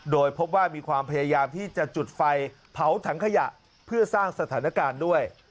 โดยพบว่ามีความพยายามที่จะจุดไฟเผาถังขยะเพื่อสร้างสถานการณ์ด้วย